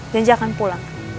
janji akan pulang